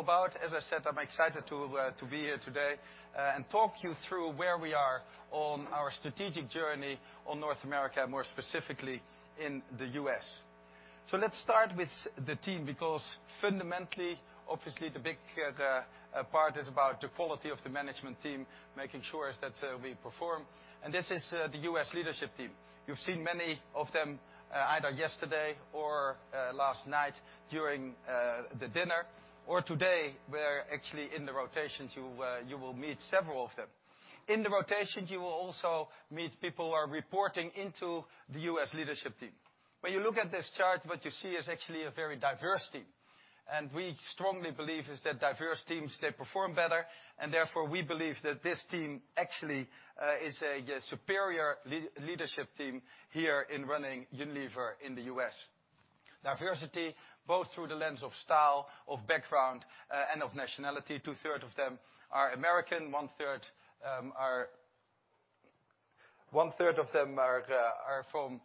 It's all about, as I said, I'm excited to be here today and talk you through where we are on our strategic journey on North America, and more specifically in the U.S. Let's start with the team, because fundamentally, obviously the big part is about the quality of the management team, making sure that we perform. This is the U.S. leadership team. You've seen many of them, either yesterday or last night during the dinner, or today, where actually in the rotations, you will meet several of them. In the rotations, you will also meet people who are reporting into the U.S. leadership team. When you look at this chart, what you see is actually a very diverse team. We strongly believe is that diverse teams, they perform better, and therefore, we believe that this team actually is a superior leadership team here in running Unilever in the U.S. Diversity, both through the lens of style, of background, and of nationality. Two-thirds of them are American, one-third of them are from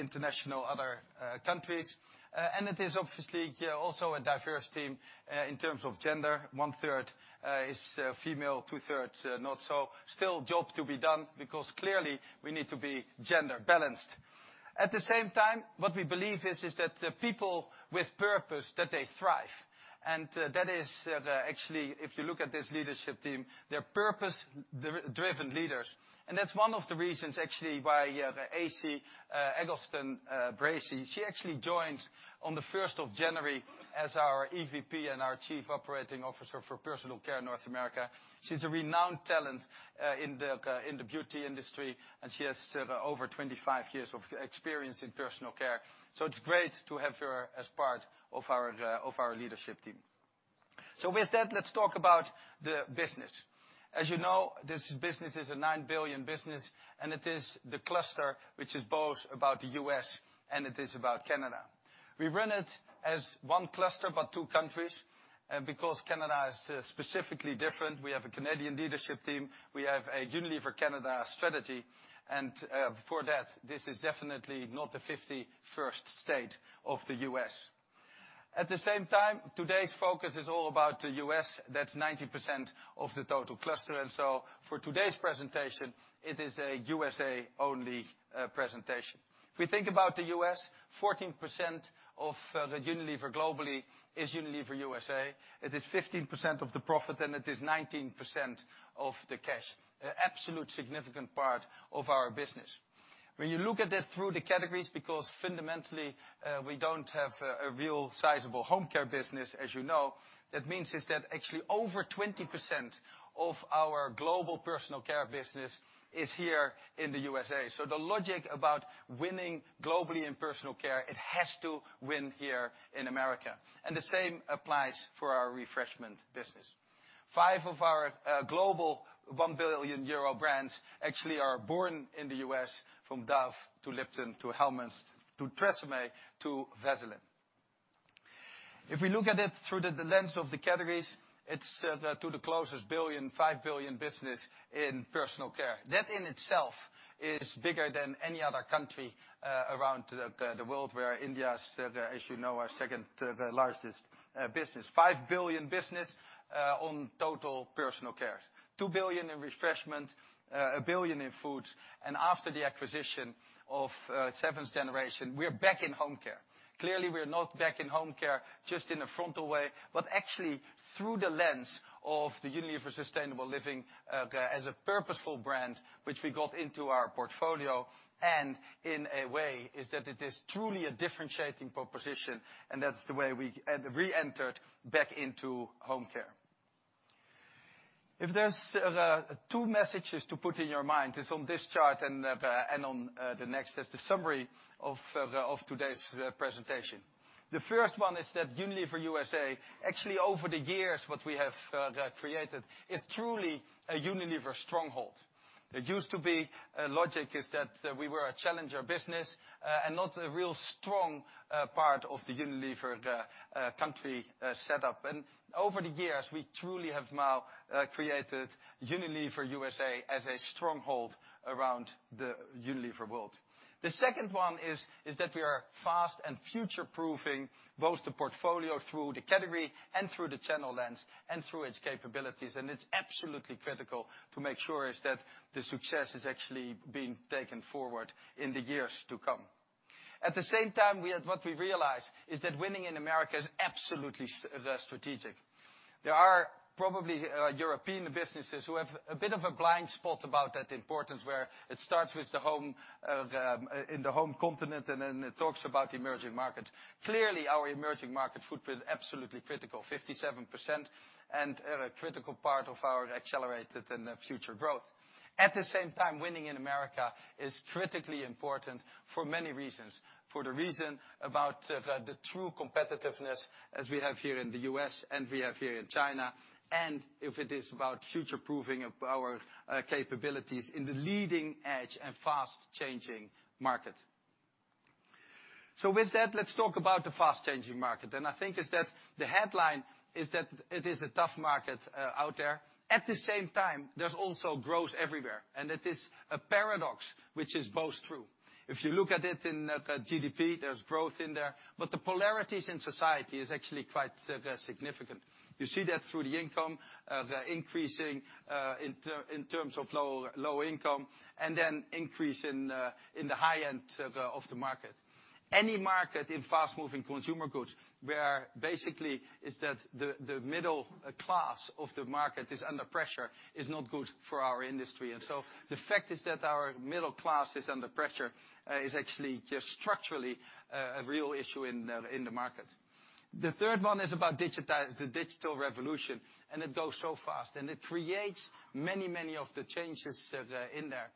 international, other countries. It is obviously, also a diverse team in terms of gender. One-third is female, two-thirds not so. Still job to be done, because clearly we need to be gender balanced. At the same time, what we believe is that people with purpose, that they thrive. That is actually, if you look at this leadership team, they're purpose-driven leaders. That's one of the reasons actually why Esi Eggleston Bracey, she actually joins on the 1st of January as our EVP and our Chief Operating Officer for Personal Care, North America. She's a renowned talent in the beauty industry, and she has over 25 years of experience in personal care. It's great to have her as part of our leadership team. With that, let's talk about the business. As you know, this business is a $9 billion business, and it is the cluster which is both about the U.S. and it is about Canada. We run it as one cluster, but two countries, because Canada is specifically different. We have a Canadian leadership team. We have a Unilever Canada strategy, and for that, this is definitely not the 51st state of the U.S. At the same time, today's focus is all about the U.S., that's 90% of the total cluster, for today's presentation, it is a USA only presentation. If we think about the U.S., 14% of the Unilever globally is Unilever USA. It is 15% of the profit and it is 19% of the cash. Absolute significant part of our business. When you look at it through the categories, because fundamentally we don't have a real sizable home care business, as you know, that means is that actually over 20% of our global personal care business is here in the USA. The logic about winning globally in personal care, it has to win here in America. The same applies for our refreshment business. Five of our global €1 billion brands actually are born in the U.S., from Dove to Lipton to Hellmann's, to TRESemmé to Vaseline. If we look at it through the lens of the categories, it's to the closest billion, 5 billion business in personal care. That in itself is bigger than any other country around the world where India is, as you know, our second largest business, 5 billion business on total personal care. 2 billion in refreshment, 1 billion in foods. After the acquisition of Seventh Generation, we're back in home care. Clearly, we're not back in home care just in a frontal way, but actually through the lens of the Unilever sustainable living as a purposeful brand, which we got into our portfolio, and in a way is that it is truly a differentiating proposition, and that's the way we reentered back into home care. If there's two messages to put in your mind, it's on this chart and on the next as the summary of today's presentation. The first one is that Unilever USA, actually over the years what we have created is truly a Unilever stronghold. It used to be logic is that we were a challenger business and not a real strong part of the Unilever country setup. Over the years, we truly have now created Unilever USA as a stronghold around the Unilever world. The second one is that we are fast and future-proofing both the portfolio through the category and through the channel lens and through its capabilities. It's absolutely critical to make sure is that the success is actually being taken forward in the years to come. At the same time, what we realized is that winning in America is absolutely strategic. There are probably European businesses who have a bit of a blind spot about that importance, where it starts with in the home continent, then it talks about emerging markets. Clearly, our emerging market footprint is absolutely critical, 57%, and a critical part of our accelerated and future growth. At the same time, winning in America is critically important for many reasons. For the reason about the true competitiveness as we have here in the U.S. and we have here in China, if it is about future-proofing of our capabilities in the leading edge and fast changing market. With that, let's talk about the fast-changing market. I think is that the headline is that it is a tough market out there. At the same time, there's also growth everywhere, it is a paradox, which is both true. If you look at it in the GDP, there's growth in there, the polarities in society is actually quite significant. You see that through the income, the increasing in terms of low income, then increase in the high end of the market. Any market in fast-moving consumer goods where basically is that the middle class of the market is under pressure is not good for our industry. The fact is that our middle class is under pressure is actually just structurally a real issue in the market. The third one is about the digital revolution, it goes so fast. It creates many of the changes that are in there.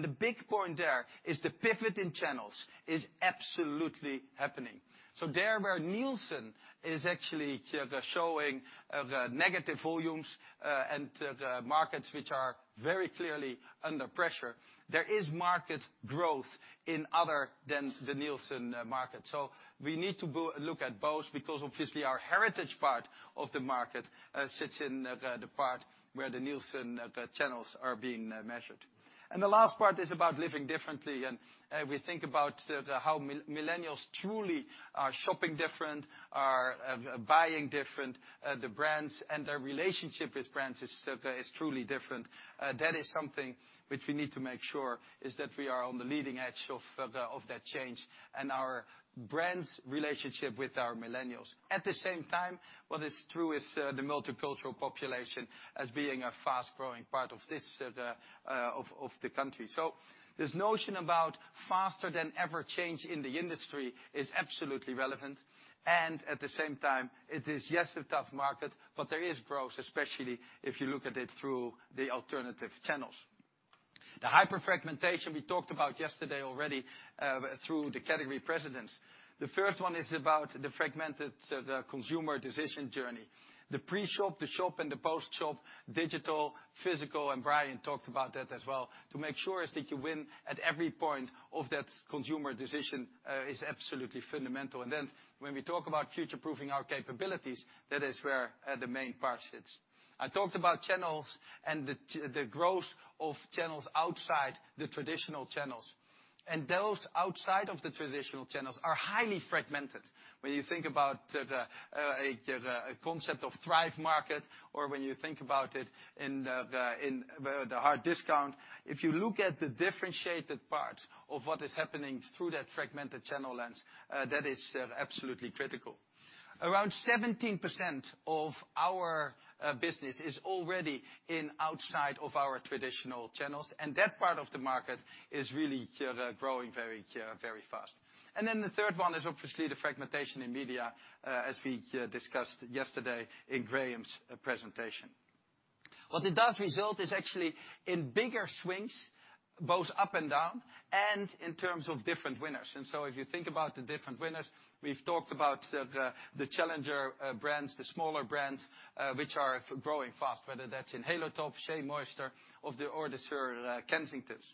The big point there is the pivot in channels is absolutely happening. Where Nielsen is actually showing negative volumes and the markets which are very clearly under pressure, there is market growth in other than the Nielsen market. We need to look at both because obviously our heritage part of the market sits in the part where the Nielsen channels are being measured. The last part is about living differently, and we think about how millennials truly are shopping different, are buying different, the brands and their relationship with brands is truly different. That is something which we need to make sure is that we are on the leading edge of that change, and our brand's relationship with our millennials. At the same time, what is true is the multicultural population as being a fast-growing part of the country. This notion about faster than ever change in the industry is absolutely relevant, and at the same time, it is, yes, a tough market, but there is growth, especially if you look at it through the alternative channels. The hyperfragmentation we talked about yesterday already through the category presidents. The first one is about the fragmented consumer decision journey. The pre-shop, the shop, and the post-shop, digital, physical, and Brian talked about that as well, to make sure is that you win at every point of that consumer decision is absolutely fundamental. When we talk about future-proofing our capabilities, that is where the main part sits. I talked about channels and the growth of channels outside the traditional channels. Those outside of the traditional channels are highly fragmented. When you think about the concept of Thrive Market or when you think about it in the hard discount, if you look at the differentiated parts of what is happening through that fragmented channel lens, that is absolutely critical. Around 17% of our business is already in outside of our traditional channels, and that part of the market is really growing very fast. The third one is obviously the fragmentation in media, as we discussed yesterday in Graeme's presentation. What it does result is actually in bigger swings, both up and down, and in terms of different winners. If you think about the different winners, we've talked about the challenger brands, the smaller brands, which are growing fast, whether that's Halo Top, Shea Moisture, or the Sir Kensington's.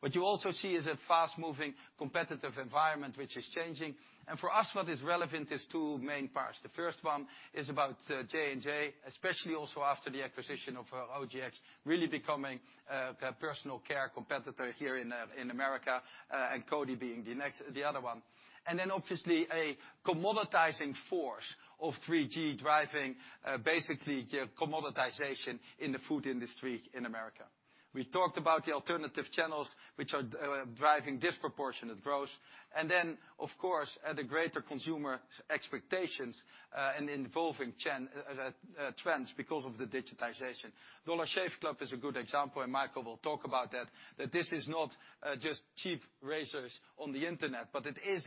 What you also see is a fast-moving competitive environment which is changing. For us, what is relevant is two main parts. The first one is about J&J, especially also after the acquisition of OGX, really becoming a personal care competitor here in the U.S., and Coty being the other one. Obviously a commoditizing force of 3G driving basically commoditization in the food industry in the U.S. We talked about the alternative channels, which are driving disproportionate growth. Of course, the greater consumer expectations and evolving trends because of the digitization. Dollar Shave Club is a good example, and Michael will talk about that this is not just cheap razors on the internet, but it is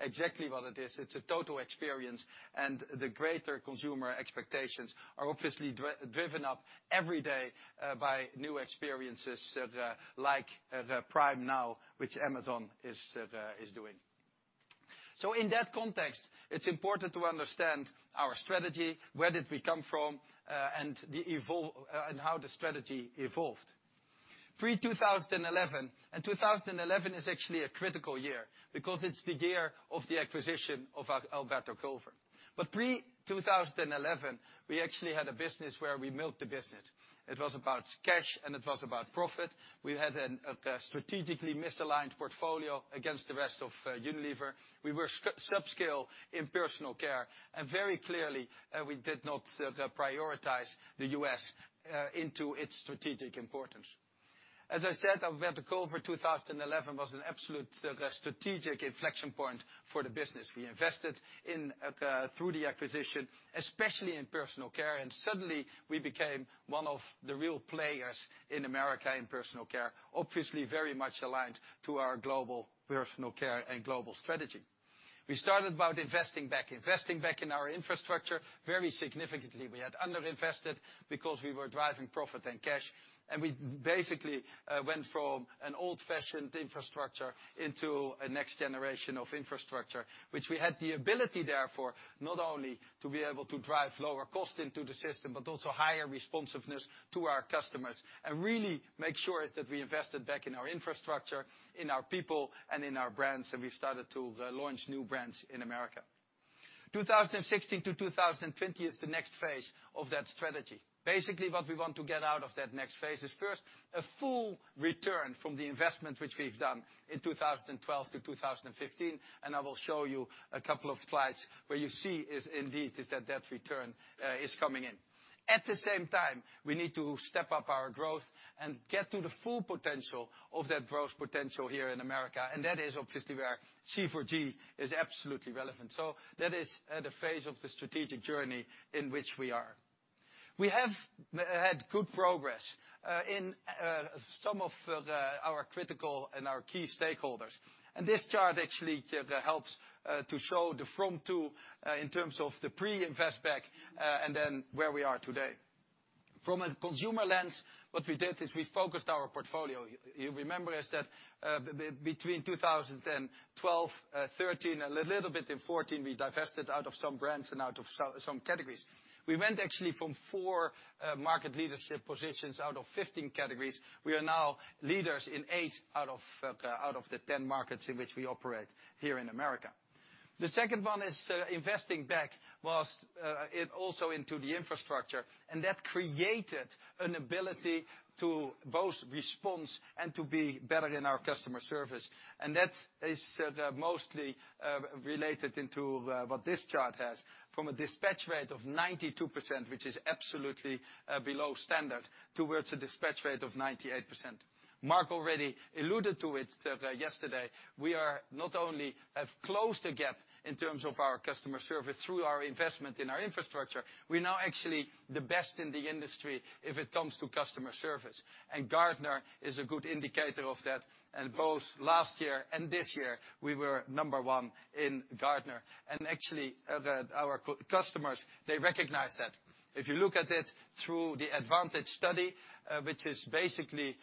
exactly what it is. It's a total experience, and the greater consumer expectations are obviously driven up every day by new experiences like Prime Now, which Amazon is doing. In that context, it's important to understand our strategy, where did we come from, and how the strategy evolved. Pre-2011, 2011 is actually a critical year because it's the year of the acquisition of Alberto Culver. Pre-2011, we actually had a business where we milked the business. It was about cash, and it was about profit. We had a strategically misaligned portfolio against the rest of Unilever. We were subscale in personal care, and very clearly, we did not prioritize the U.S. into its strategic importance. As I said, Alberto Culver 2011 was an absolute strategic inflection point for the business. We invested through the acquisition, especially in personal care, and suddenly we became one of the real players in America in personal care, obviously very much aligned to our global personal care and global strategy. We started about investing back in our infrastructure very significantly. We had underinvested because we were driving profit and cash, and we basically went from an old-fashioned infrastructure into a next generation of infrastructure, which we had the ability therefore, not only to be able to drive lower cost into the system, but also higher responsiveness to our customers and really make sure is that we invested back in our infrastructure, in our people, and in our brands, and we started to launch new brands in America. 2016 to 2020 is the next phase of that strategy. Basically, what we want to get out of that next phase is, first, a full return from the investment which we've done in 2012 to 2015, and I will show you a couple of slides where you see is indeed is that return is coming in. At the same time, we need to step up our growth and get to the full potential of that growth potential here in America, and that is obviously where C4G is absolutely relevant. That is the phase of the strategic journey in which we are. We have had good progress in some of our critical and our key stakeholders. This chart actually helps to show the from-to in terms of the pre-invest back and then where we are today. From a consumer lens, what we did is we focused our portfolio. You remember is that between 2012, '13, a little bit in '14, we divested out of some brands and out of some categories. We went actually from four market leadership positions out of 15 categories. We are now leaders in eight out of the 10 markets in which we operate here in America. The second one is investing back was also into the infrastructure, and that created an ability to both response and to be better in our customer service. That is mostly related into what this chart has. From a dispatch rate of 92%, which is absolutely below standard, towards a dispatch rate of 98%. Mark already alluded to it yesterday. We are not only have closed the gap in terms of our customer service through our investment in our infrastructure, we're now actually the best in the industry if it comes to customer service. Gartner is a good indicator of that, and both last year and this year, we were number one in Gartner. Actually, our customers, they recognize that. If you look at it through the Advantage Study, which is basically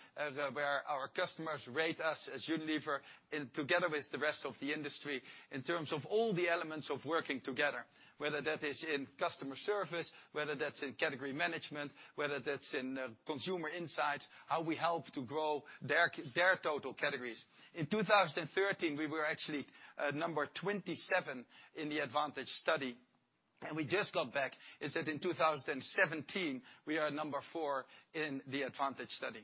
where our customers rate us as Unilever and together with the rest of the industry, in terms of all the elements of working together, whether that is in customer service, whether that's in category management, whether that's in consumer insights, how we help to grow their total categories. In 2013, we were actually number 27 in the Advantage Study. We just got back is that in 2017, we are number four in the Advantage Study.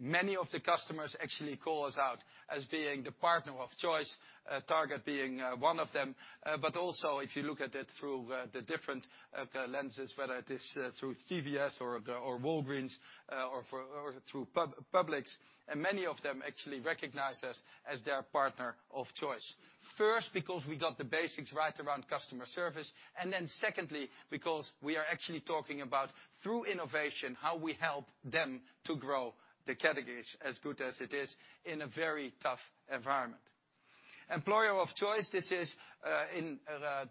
Many of the customers actually call us out as being the partner of choice, Target being one of them. Also, if you look at it through the different lenses, whether it is through CVS or Walgreens, or through Publix, and many of them actually recognize us as their partner of choice. First, because we got the basics right around customer service, and then secondly, because we are actually talking about through innovation, how we help them to grow the categories as good as it is in a very tough environment. Employer of choice, this is in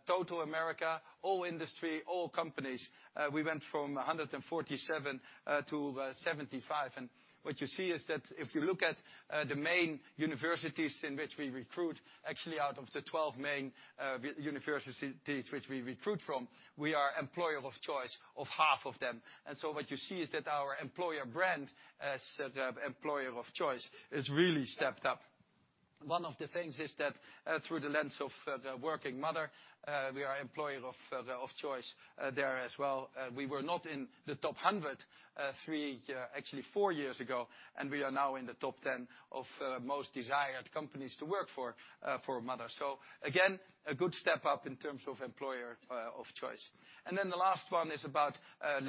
total America, all industries, all companies. We went from 147 to 75. What you see is that if you look at the main universities in which we recruit, actually out of the 12 main universities which we recruit from, we are employer of choice of half of them. What you see is that our employer brand as employer of choice has really stepped up. One of the things is that through the lens of the working mother, we are employer of choice there as well. We were not in the top 100 three, actually four years ago, and we are now in the top 10 of most desired companies to work for a mother. Again, a good step up in terms of employer of choice. The last one is about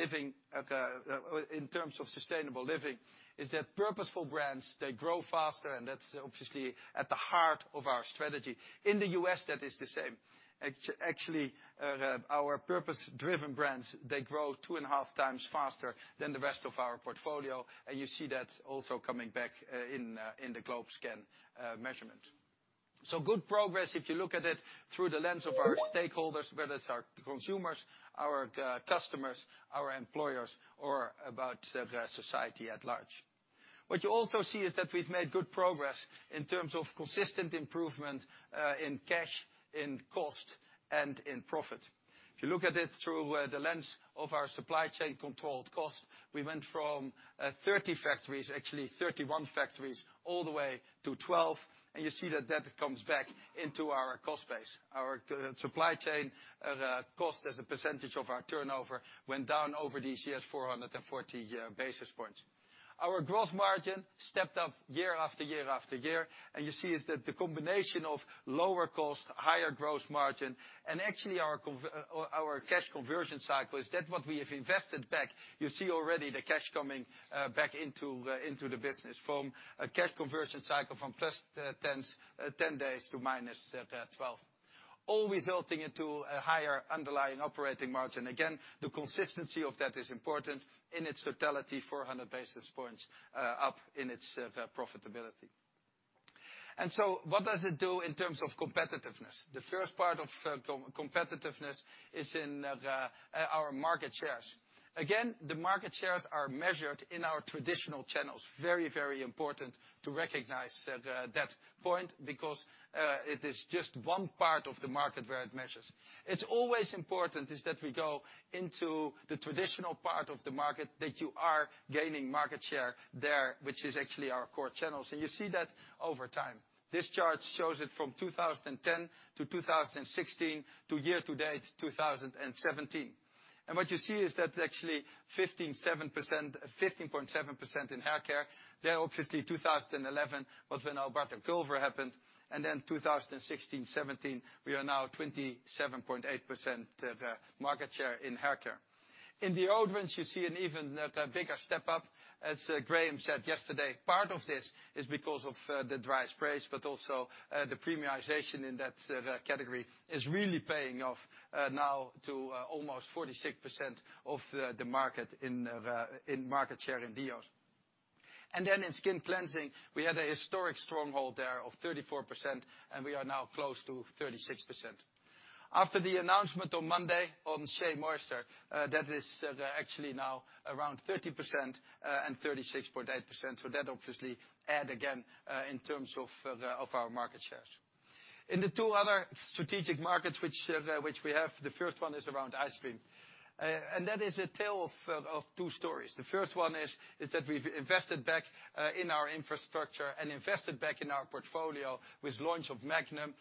in terms of sustainable living, is that purposeful brands, they grow faster, and that's obviously at the heart of our strategy. In the U.S. that is the same. Actually, our purpose-driven brands, they grow two and a half times faster than the rest of our portfolio, and you see that also coming back in the GlobeScan measurement. Good progress if you look at it through the lens of our stakeholders, whether it's our consumers, our customers, our employers, or about society at large. What you also see is that we've made good progress in terms of consistent improvement in cash, in cost, and in profit. If you look at it through the lens of our supply chain controlled cost, we went from 30 factories, actually 31 factories, all the way to 12. You see that that comes back into our cost base. Our supply chain cost as a percentage of our turnover went down over these years 440 basis points. Our growth margin stepped up year after year after year, and you see is that the combination of lower cost, higher growth margin, and actually our cash conversion cycle is that what we have invested back. You see already the cash coming back into the business from a cash conversion cycle from +10 days to -12. All resulting into a higher underlying operating margin. The consistency of that is important in its totality, 400 basis points up in its profitability. What does it do in terms of competitiveness? The first part of competitiveness is in our market shares. The market shares are measured in our traditional channels. Very, very important to recognize that point because it is just one part of the market where it measures. It is always important is that we go into the traditional part of the market that you are gaining market share there, which is actually our core channels, and you see that over time. This chart shows it from 2010 to 2016 to year to date 2017. What you see is that actually 15.7% in hair care. There obviously 2011 was when Alberto Culver happened, then 2016, 2017, we are now 27.8% market share in hair care. In deodorants, you see an even bigger step up. As Graeme said yesterday, part of this is because of the dry sprays, but also the premiization in that category is really paying off now to almost 46% of the market in market share in deos. In skin cleansing, we had a historic stronghold there of 34%, and we are now close to 36%. After the announcement on Monday on Shea Moisture, that is actually now around 30% and 36.8%. That obviously add again, in terms of our market shares. In the two other strategic markets which we have, the first one is around ice cream. That is a tale of two stories. The first one is that we've invested back in our infrastructure and invested back in our portfolio with launch of Magnum,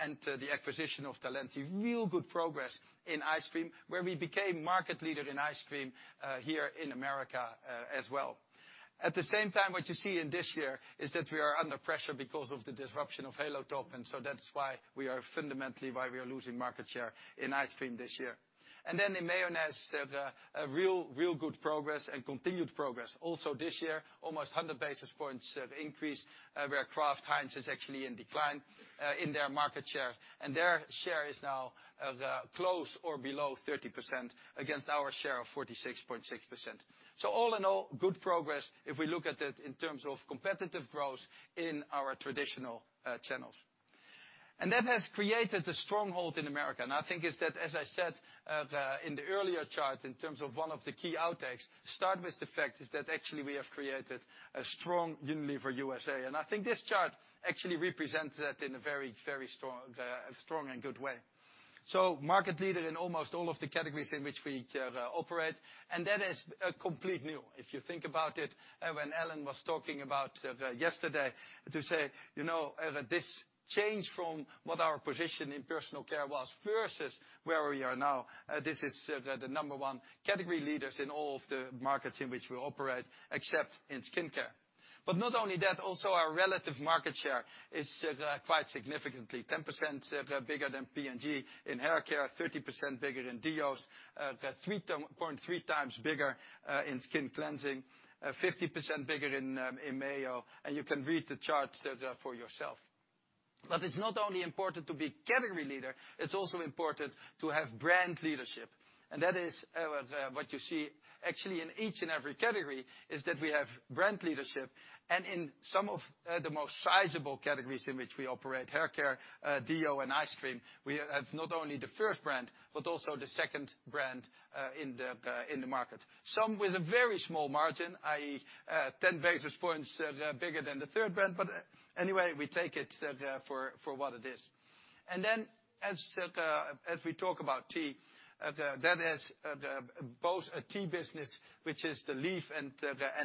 and the acquisition of Talenti. Real good progress in ice cream, where we became market leader in ice cream here in America as well. At the same time, what you see in this year is that we are under pressure because of the disruption of Halo Top, that is fundamentally why we are losing market share in ice cream this year. In mayonnaise, a real good progress and continued progress also this year. Almost 100 basis points of increase, where Kraft Heinz is actually in decline in their market share. Their share is now close or below 30% against our share of 46.6%. All in all, good progress if we look at it in terms of competitive growth in our traditional channels. That has created a stronghold in America. I think as I said, in the earlier chart in terms of one of the key outtakes, start with the fact is that actually we have created a strong Unilever USA. I think this chart actually represents that in a very strong and good way. Market leader in almost all of the categories in which we operate, that is complete new. If you think about it, when Alan was talking about yesterday to say, this changed from what our position in personal care was versus where we are now. This is the number 1 category leaders in all of the markets in which we operate, except in skin care. Not only that, also our relative market share is quite significantly 10% bigger than P&G in hair care, 30% bigger in deos, 3.3 times bigger in skin cleansing, 50% bigger in mayo, and you can read the charts for yourself. It's not only important to be category leader, it's also important to have brand leadership. That is what you see actually in each and every category, is that we have brand leadership. In some of the most sizable categories in which we operate, hair care, deo, and ice cream, we have not only the first brand, but also the second brand in the market. Some with a very small margin, i.e., 10 basis points bigger than the third brand, but anyway, we take it for what it is. As we talk about tea, that has both a tea business, which is the leaf and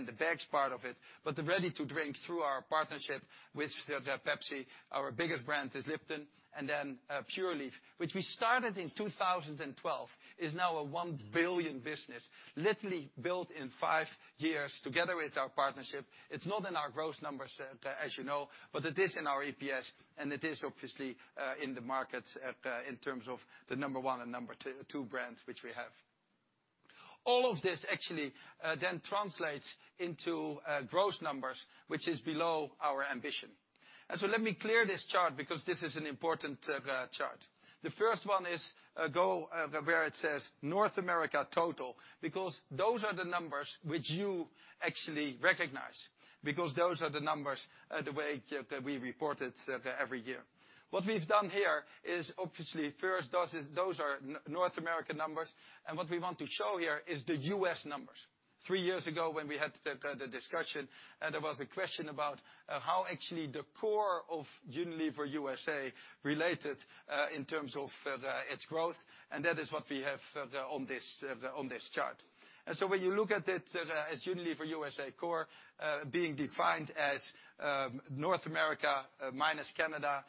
the bags part of it, but the ready to drink through our partnership with Pepsi, our biggest brand is Lipton, and then Pure Leaf. Which we started in 2012, is now a $1 billion business, literally built in five years together with our partnership. It's not in our growth numbers, as you know, but it is in our EPS and it is obviously in the market in terms of the number one and number two brands which we have. All of this actually then translates into growth numbers, which is below our ambition. Let me clear this chart because this is an important chart. The first one is go where it says North America total, because those are the numbers which you actually recognize. Because those are the numbers, the way that we report it every year. What we've done here is obviously first, those are North American numbers. What we want to show here is the U.S. numbers. Three years ago when we had the discussion, and there was a question about how actually the core of Unilever USA related in terms of its growth, and that is what we have on this chart. When you look at it as Unilever USA core being defined as North America minus Canada,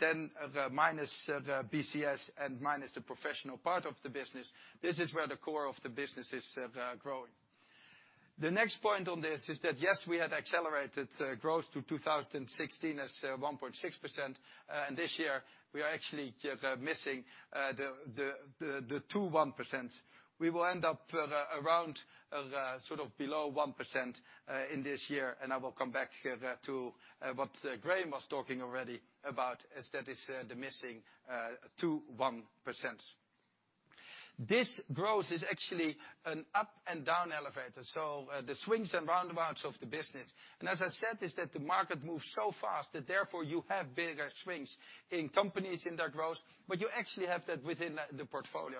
then minus BCS, and minus the professional part of the business, this is where the core of the business is growing. The next point on this is that, yes, we had accelerated growth to 2016 as 1.6%, and this year, we are actually missing the two 1%. We will end up around below 1% in this year, and I will come back here to what Graeme was talking already about, as that is the missing two 1%. This growth is actually an up and down elevator. The swings and roundabouts of the business. As I said, is that the market moves so fast that therefore you have bigger swings in companies in their growth, but you actually have that within the portfolio.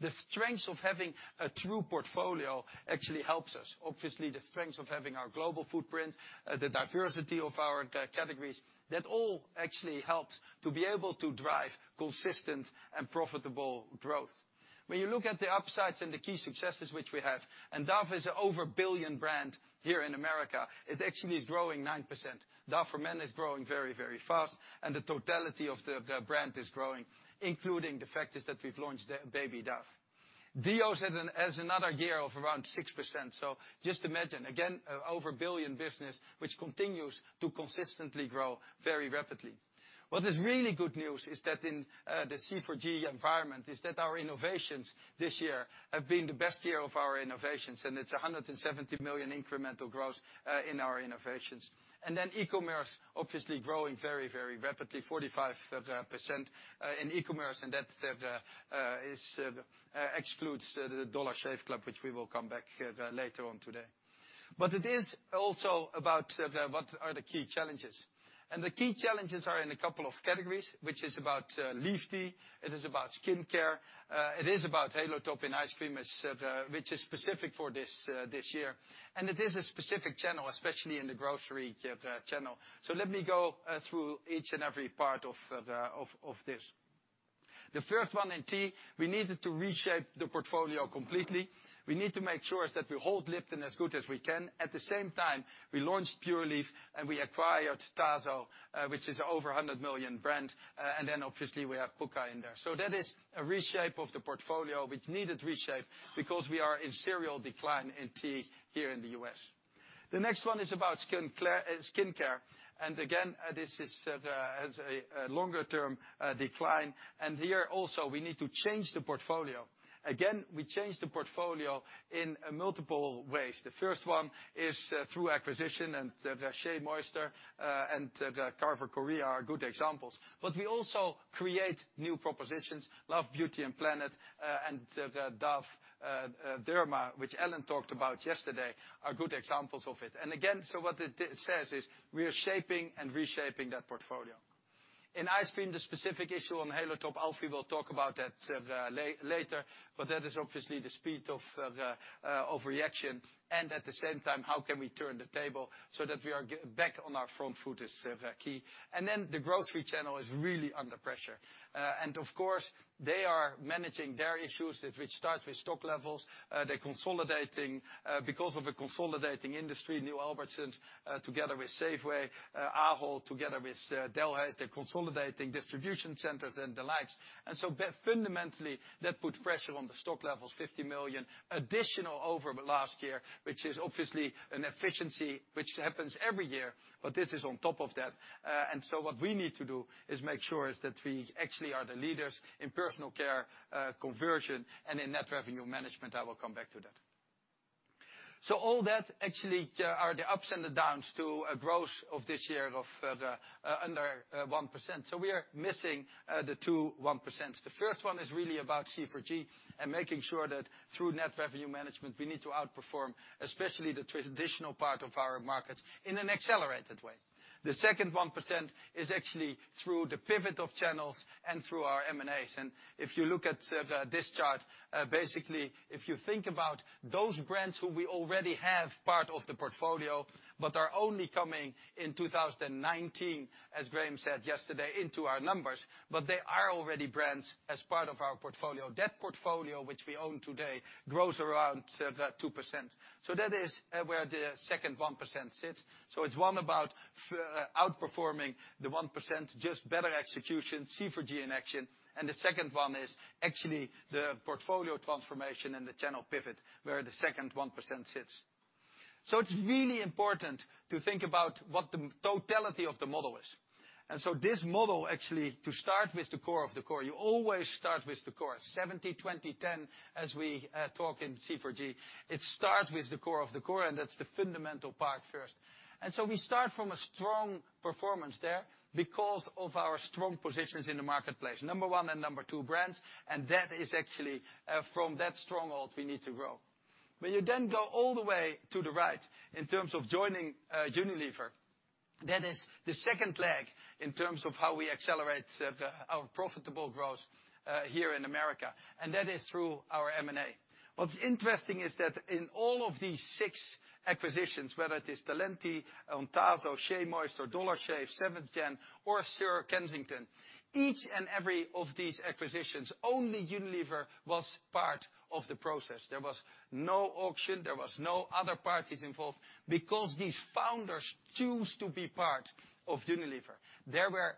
The strength of having a true portfolio actually helps us. Obviously, the strength of having our global footprint, the diversity of our categories, that all actually helps to be able to drive consistent and profitable growth. When you look at the upsides and the key successes which we have, and Dove is a over billion brand here in America. It actually is growing 9%. Dove for Men is growing very fast, and the totality of the brand is growing, including the fact is that we have launched Baby Dove. DEO has another year of around 6%. Just imagine, again, over a 1 billion business, which continues to consistently grow very rapidly. What is really good news is that in the C4G environment, our innovations this year have been the best year of our innovations, and it is 170 million incremental growth, in our innovations. E-commerce obviously growing very rapidly, 45% in e-commerce, and that excludes the Dollar Shave Club, which we will come back to later on today. It is also about what are the key challenges. The key challenges are in a couple of categories, which is about leaf tea, it is about skincare, it is about Halo Top and ice cream, which is specific for this year. It is a specific channel, especially in the grocery channel. Let me go through each and every part of this. The first one in tea, we needed to reshape the portfolio completely. We need to make sure that we hold Lipton as good as we can. At the same time, we launched Pure Leaf and we acquired Tazo, which is over 100 million brand. Obviously we have Pukka in there. That is a reshape of the portfolio, which needed reshape because we are in serial decline in tea here in the U.S. The next one is about skincare. Again, this has a longer-term decline. Here also we need to change the portfolio. Again, we changed the portfolio in multiple ways. The first one is through acquisition, and Shea Moisture and Carver Korea are good examples. We also create new propositions, Love Beauty and Planet, and Dove Derma, which Hanneke talked about yesterday, are good examples of it. Again, what it says is we are shaping and reshaping that portfolio. In ice cream, the specific issue on Halo Top, Alan will talk about that later, that is obviously the speed of reaction. At the same time, how can we turn the table so that we are back on our front foot is key. The grocery channel is really under pressure. Of course, they are managing their issues, which starts with stock levels. They are consolidating because of a consolidating industry, new Albertsons, together with Safeway, Ahold together with Delhaize, they are consolidating distribution centers and the likes. Fundamentally, that put pressure on the stock levels, 50 million additional over last year, which is obviously an efficiency, which happens every year, this is on top of that. What we need to do is make sure is that we actually are the leaders in personal care, conversion, and in net revenue management. I will come back to that. All that actually are the ups and the downs to a growth of this year of under 1%. We are missing the 2 1%. The first one is really about C4G and making sure that through net revenue management, we need to outperform, especially the traditional part of our markets, in an accelerated way. The second 1% is actually through the pivot of channels and through our M&As. If you look at this chart, basically, if you think about those brands who we already have part of the portfolio, but are only coming in 2019, as Graeme said yesterday, into our numbers, but they are already brands as part of our portfolio. That portfolio, which we own today, grows around 2%. That is where the second 1% sits. It's one about outperforming the 1%, just better execution, C4G in action. The second one is actually the portfolio transformation and the channel pivot, where the second 1% sits. It's really important to think about what the totality of the model is. This model actually, to start with the core of the core, you always start with the core, 70-20-10, as we talk in C4G, it starts with the core of the core, and that's the fundamental part first. We start from a strong performance there because of our strong positions in the marketplace, number one and number two brands. That is actually from that stronghold we need to grow. When you then go all the way to the right in terms of joining Unilever, that is the second leg in terms of how we accelerate our profitable growth here in America. That is through our M&A. What's interesting is that in all of these six acquisitions, whether it is Talenti, or Tazo, Shea Moisture, Dollar Shave, Seventh Gen, or Sir Kensington's, each and every of these acquisitions, only Unilever was part of the process. There was no auction, there was no other parties involved because these founders choose to be part of Unilever. They were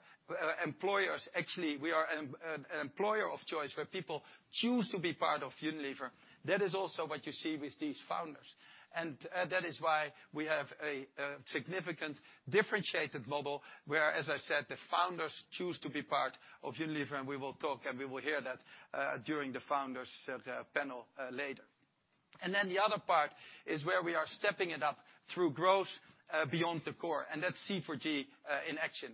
employers. Actually, we are an employer of choice where people choose to be part of Unilever. That is also what you see with these founders. That is why we have a significant differentiated model where, as I said, the founders choose to be part of Unilever, and we will talk, and we will hear that during the founders panel later. The other part is where we are stepping it up through growth beyond the core, and that's C4G in action.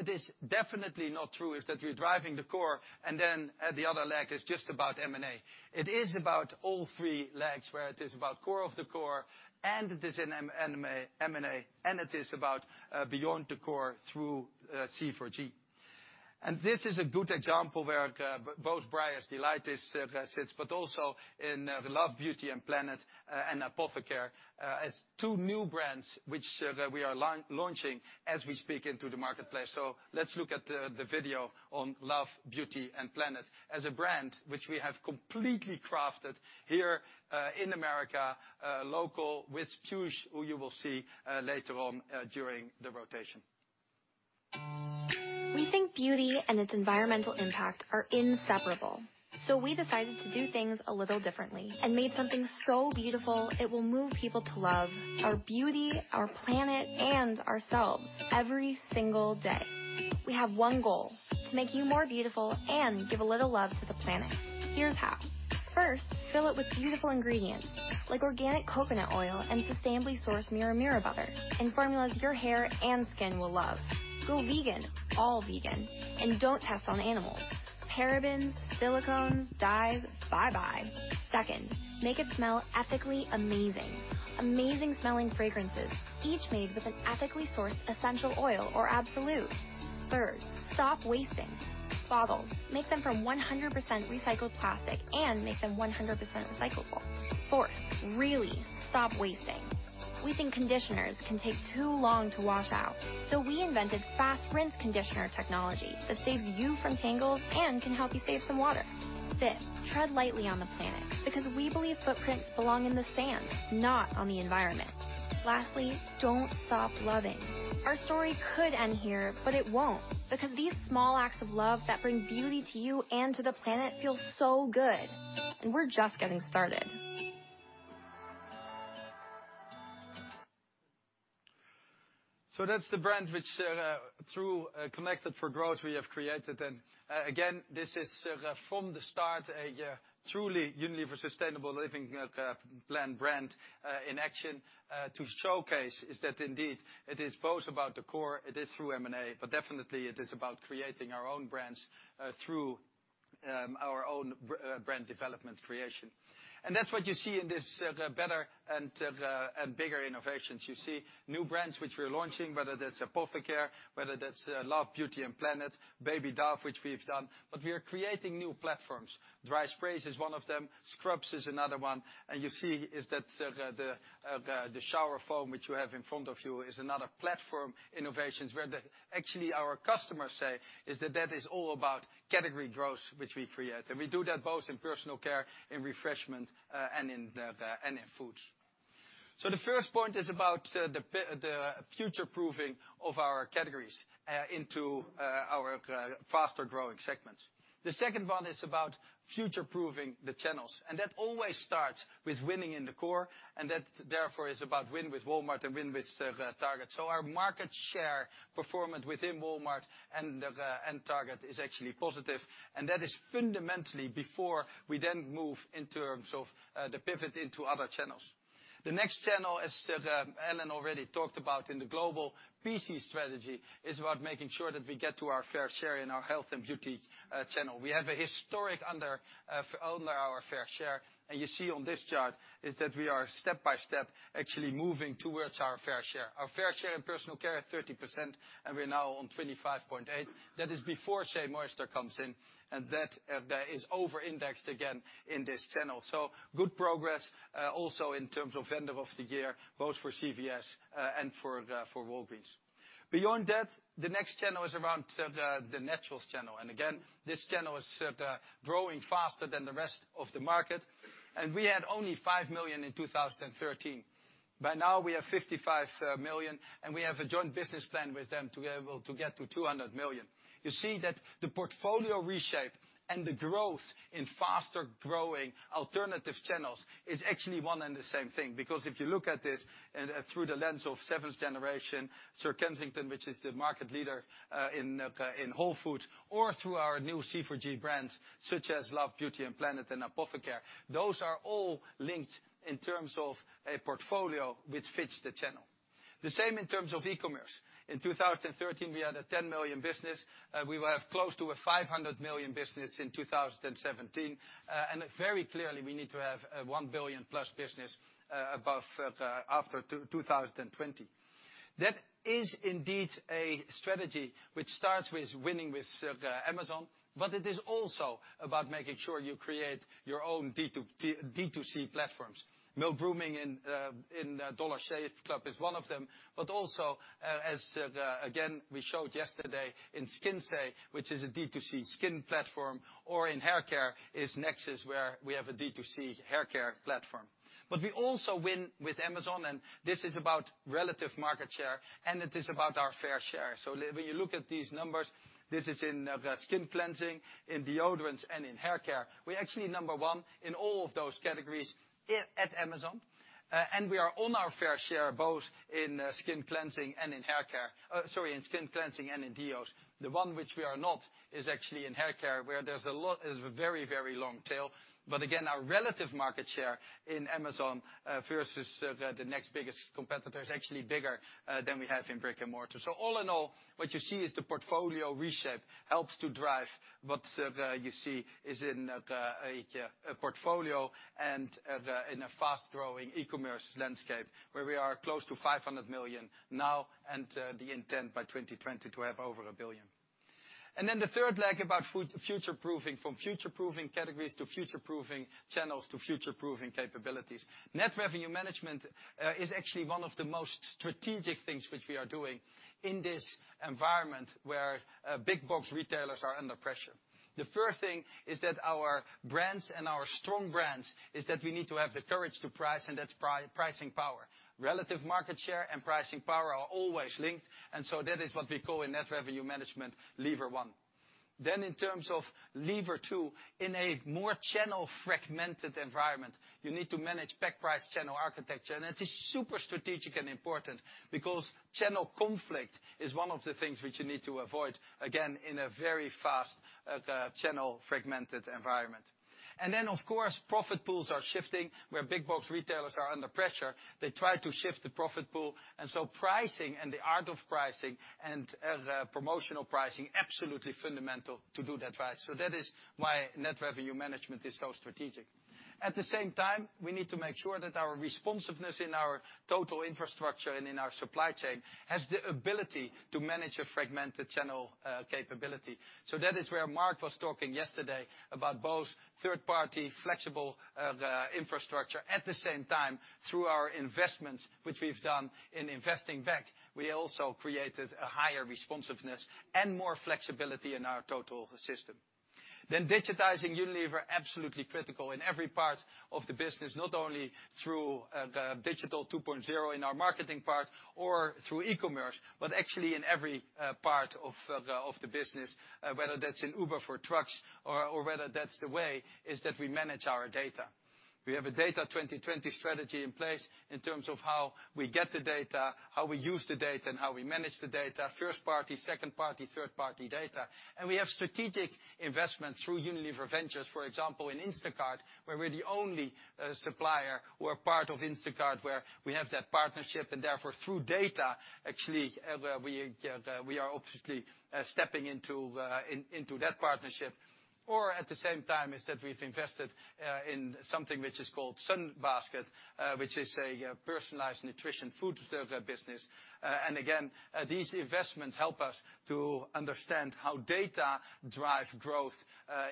It is definitely not true is that we're driving the core and then the other leg is just about M&A. It is about all three legs, where it is about core of the core, and it is in M&A, and it is about beyond the core through C4G. This is a good example where both Breyers Delights sits, but also in Love Beauty and Planet and ApotheCARE as two new brands, which we are launching as we speak into the marketplace. Let's look at the video on Love Beauty and Planet as a brand which we have completely crafted here in America, local with Priya, who you will see later on during the rotation. We think beauty and its environmental impact are inseparable. We decided to do things a little differently and made something so beautiful it will move people to love our beauty, our planet, and ourselves every single day. We have one goal, to make you more beautiful and give a little love to the planet. Here's how. First, fill it with beautiful ingredients like organic coconut oil and sustainably sourced murumuru butter, in formulas your hair and skin will love. Go vegan, all vegan, and don't test on animals. Parabens, silicones, dyes, bye-bye. Second, make it smell ethically amazing. Amazing-smelling fragrances, each made with an ethically sourced essential oil or absolute. Third, stop wasting. Bottles, make them from 100% recycled plastic and make them 100% recyclable. Fourth, really stop wasting. We think conditioners can take too long to wash out. We invented fast rinse conditioner technology that saves you from tangles and can help you save some water. Fifth, tread lightly on the planet because we believe footprints belong in the sand, not on the environment. Lastly, don't stop loving. Our story could end here, but it won't, because these small acts of love that bring beauty to you and to the planet feel so good. We're just getting started. That's the brand which, through Connected for Growth we have created. Again, this is from the start a truly Unilever Sustainable Living Plan brand, in action, to showcase is that indeed it is both about the core, it is through M&A, but definitely it is about creating our own brands through our own brand development creation. That's what you see in this better and bigger innovations. You see new brands which we're launching, whether that's ApotheCARE, whether that's Love Beauty and Planet, Baby Dove, which we've done, but we are creating new platforms. Dry sprays is one of them, scrubs is another one, and you see is that the shower foam, which you have in front of you, is another platform innovations where actually our customers say is that it is all about category growth which we create. We do that both in personal care, in refreshment, and in foods. The first point is about the future-proofing of our categories into our faster-growing segments. The second one is about future-proofing the channels, and that always starts with winning in the core, and that therefore is about win with Walmart and win with Target. Our market share performance within Walmart and Target is actually positive, and that is fundamentally before we then move in terms of the pivot into other channels. The next channel, as Alan already talked about in the global PC strategy, is about making sure that we get to our fair share in our health and beauty channel. We have a historic under our fair share, and you see on this chart is that we are step-by-step actually moving towards our fair share. Our fair share in personal care, 30%, and we're now on 25.8%. That is before Shea Moisture comes in, and that is over-indexed again in this channel. Good progress, also in terms of end of the year, both for CVS and for Walgreens. Beyond that, the next channel is around the naturals channel. Again, this channel is growing faster than the rest of the market, and we had only 5 million in 2013. By now we have 55 million, and we have a joint business plan with them to be able to get to 200 million. You see that the portfolio reshape and the growth in faster-growing alternative channels is actually one and the same thing. If you look at this through the lens of Seventh Generation, Sir Kensington, which is the market leader in Whole Foods, or through our new C4G brands such as Love Beauty and Planet and ApotheCARE, those are all linked in terms of a portfolio which fits the channel. The same in terms of e-commerce. In 2013, we had a 10 million business. We will have close to a 500 million business in 2017. Very clearly we need to have a 1 billion-plus business after 2020. That is indeed a strategy which starts with winning with Amazon, it is also about making sure you create your own D2C platforms. Milk Grooming in Dollar Shave Club is one of them, also, as again, we showed yesterday in Skinsei, which is a D2C skin platform, or in haircare is Nexxus, where we have a D2C haircare platform. We also win with Amazon, this is about relative market share, it is about our fair share. When you look at these numbers, this is in skin cleansing, in deodorants, and in haircare. We're actually number one in all of those categories at Amazon. We are on our fair share, both in skin cleansing and in haircare. Sorry, in skin cleansing and in deos. The one which we are not is actually in haircare, where there's a very, very long tail. Again, our relative market share in Amazon versus the next biggest competitor is actually bigger than we have in brick and mortar. All in all, what you see is the portfolio reshape helps to drive what you see is in a portfolio and in a fast-growing e-commerce landscape where we are close to 500 million now and the intent by 2020 to have over 1 billion. The third leg about future-proofing, from future-proofing categories to future-proofing channels to future-proofing capabilities. net revenue management is actually one of the most strategic things which we are doing in this environment where big box retailers are under pressure. The first thing is that our brands and our strong brands is that we need to have the courage to price, that's pricing power. Relative market share and pricing power are always linked, that is what we call a net revenue management lever 1. In terms of lever 2, in a more channel fragmented environment, you need to manage pack price channel architecture. That is super strategic and important because channel conflict is one of the things which you need to avoid, again, in a very fast, channel fragmented environment. Of course, profit pools are shifting. Where big box retailers are under pressure, they try to shift the profit pool, pricing and the art of pricing and promotional pricing, absolutely fundamental to do that right. That is why net revenue management is so strategic. At the same time, we need to make sure that our responsiveness in our total infrastructure and in our supply chain has the ability to manage a fragmented channel capability. That is where Mark was talking yesterday about both third-party flexible infrastructure at the same time through our investments, which we've done in investing back. We also created a higher responsiveness and more flexibility in our total system. Digitizing Unilever, absolutely critical in every part of the business, not only through the digital 2.0 in our marketing part or through e-commerce, but actually in every part of the business, whether that's in Uber for trucks or whether that's the way is that we manage our data. We have a data 2020 strategy in place in terms of how we get the data, how we use the data, and how we manage the data, first party, second party, third party data. We have strategic investments through Unilever Ventures, for example, in Instacart, where we're the only supplier who are part of Instacart, where we have that partnership, and therefore, through data, actually, where we are obviously stepping into that partnership. At the same time, is that we've invested in something which is called Sunbasket, which is a personalized nutrition food service business. Again, these investments help us to understand how data drive growth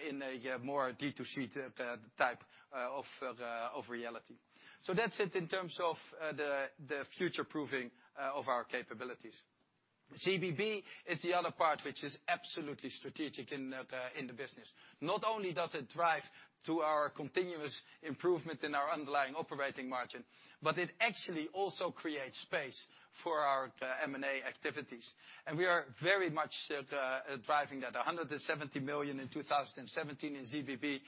in a more D2C type of reality. That's it in terms of the future proofing of our capabilities. ZBB is the other part, which is absolutely strategic in the business. Not only does it drive to our continuous improvement in our underlying operating margin, but it actually also creates space for our M&A activities. We are very much driving that. 170 million in 2017 in ZBB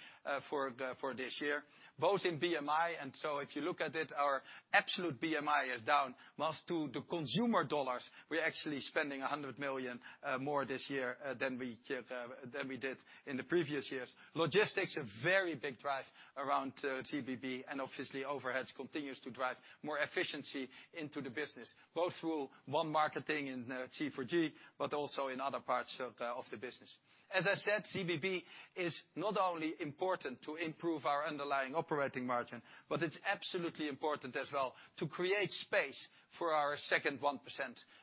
for this year, both in BMI. If you look at it, our absolute BMI is down, whilst to the consumer dollars, we are actually spending 100 million more this year than we did in the previous years. Logistics, a very big drive around ZBB, and obviously overheads continues to drive more efficiency into the business, both through One Marketing and C4G, but also in other parts of the business. As I said, ZBB is not only important to improve our underlying operating margin, but it's absolutely important as well to create space for our second 1%,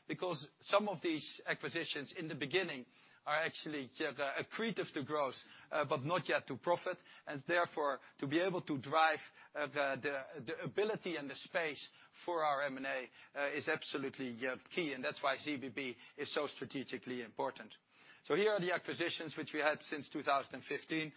because some of these acquisitions in the beginning are actually accretive to growth but not yet to profit, and therefore, to be able to drive the ability and the space for our M&A is absolutely key, and that's why ZBB is so strategically important. Here are the acquisitions which we had since 2015.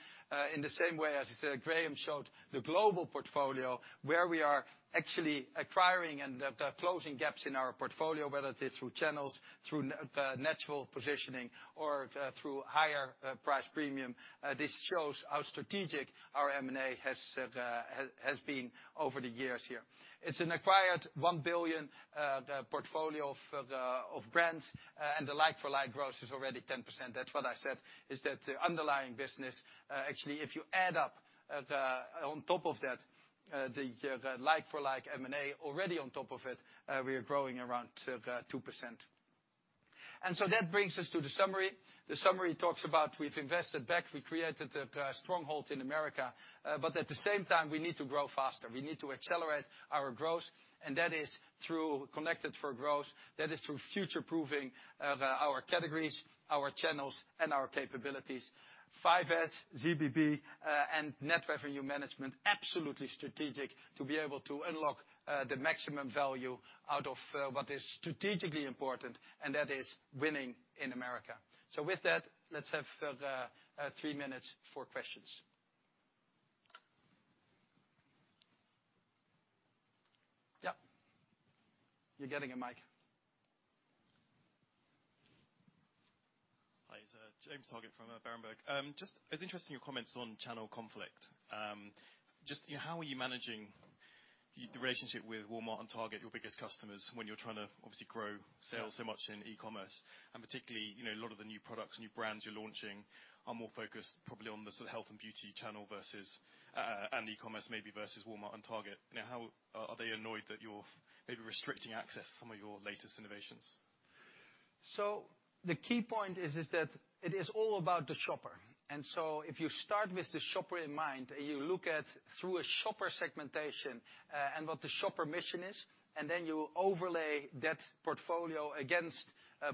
In the same way, as Graeme showed the global portfolio, where we are actually acquiring and closing gaps in our portfolio, whether it is through channels, through natural positioning, or through higher price premium. This shows how strategic our M&A has been over the years here. It's an acquired 1 billion portfolio of brands, the like-for-like growth is already 10%. That's what I said, is that the underlying business, actually, if you add up on top of that, the like-for-like M&A already on top of it, we are growing around 2%. That brings us to the summary. The summary talks about we've invested back, we created a stronghold in America, at the same time, we need to grow faster. We need to accelerate our growth, that is through Connected for Growth. That is through future proofing our categories, our channels, and our capabilities. 5S, ZBB, and net revenue management, absolutely strategic to be able to unlock the maximum value out of what is strategically important, and that is winning in America. With that, let's have three minutes for questions. Yeah. You're getting a mic. Hi. James Targett from Berenberg. Just, I was interested in your comments on channel conflict. Just how are you managing the relationship with Walmart and Target, your biggest customers, when you're trying to obviously grow sales so much in e-commerce, and particularly, a lot of the new products, new brands you're launching are more focused probably on the sort of health and beauty channel versus, and e-commerce maybe versus Walmart and Target. Are they annoyed that you're maybe restricting access to some of your latest innovations? The key point is that it is all about the shopper. If you start with the shopper in mind, and you look at through a shopper segmentation, and what the shopper mission is, and then you overlay that portfolio against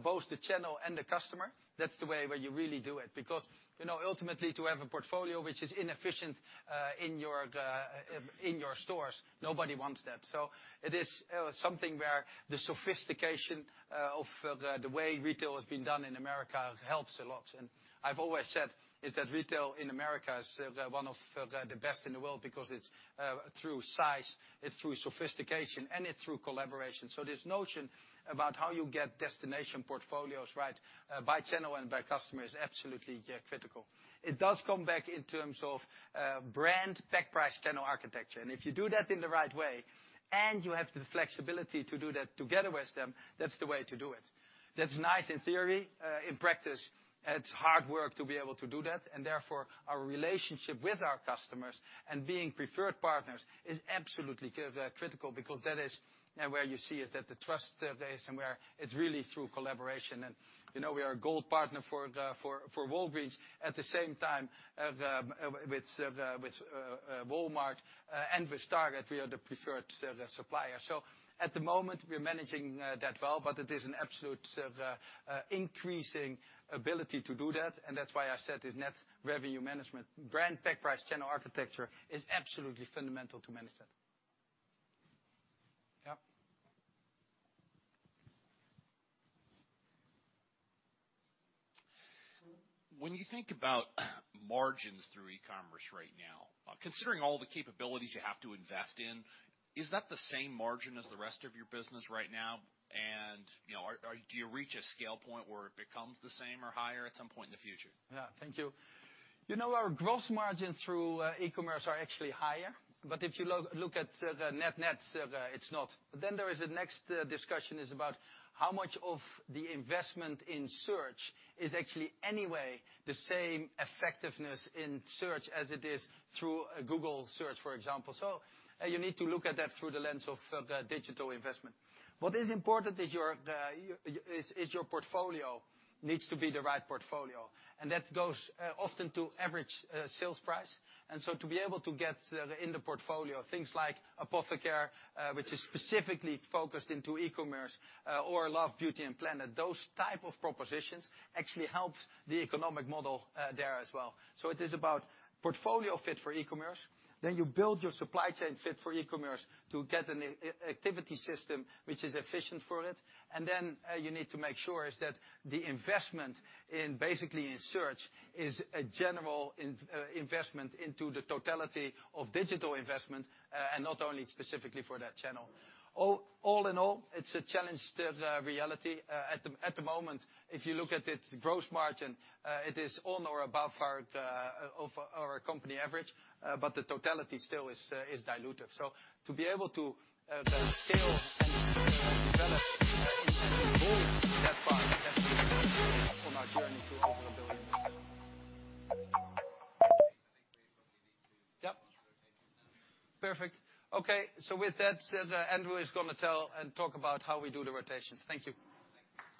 both the channel and the customer, that's the way where you really do it. Ultimately, to have a portfolio which is inefficient in your stores, nobody wants that. It is something where the sophistication of the way retail has been done in America helps a lot. I've always said is that retail in America is one of the best in the world because it's through size, it's through sophistication, and it's through collaboration. This notion about how you get destination portfolios right by channel and by customer is absolutely critical. It does come back in terms of brand, pack, price, channel architecture. If you do that in the right way, and you have the flexibility to do that together with them, that's the way to do it. That's nice in theory. In practice, it's hard work to be able to do that. Therefore, our relationship with our customers and being preferred partners is absolutely critical because that is where you see is that the trust there and where it's really through collaboration. We are a gold partner for Walgreens. At the same time, with Walmart and with Target, we are the preferred supplier. At the moment, we're managing that well, but it is an absolute increasing ability to do that, and that's why I said this net revenue management brand pack price channel architecture is absolutely fundamental to manage that. Yep. When you think about margins through e-commerce right now, considering all the capabilities you have to invest in, is that the same margin as the rest of your business right now? Do you reach a scale point where it becomes the same or higher at some point in the future? Yeah. Thank you. Our gross margins through e-commerce are actually higher. If you look at the net-net, it's not. There is the next discussion is about how much of the investment in search is actually any way the same effectiveness in search as it is through a Google search, for example. You need to look at that through the lens of the digital investment. What is important is your portfolio needs to be the right portfolio, and that goes often to average sales price. To be able to get in the portfolio things like ApotheCARE, which is specifically focused into e-commerce, or Love Beauty and Planet, those type of propositions actually helps the economic model there as well. It is about portfolio fit for e-commerce. You build your supply chain fit for e-commerce to get an activity system which is efficient for it. You need to make sure is that the investment basically in search is a general investment into the totality of digital investment, not only specifically for that channel. All in all, it's a challenge, the reality. At the moment, if you look at its gross margin, it is on or above our company average, the totality still is dilutive. To be able to scale and develop and set the goal that far is absolutely critical on our journey to over EUR 1 billion. I think we probably need. Yep Do rotations then. Perfect. Okay. With that said, Andrew is going to tell and talk about how we do the rotations. Thank you.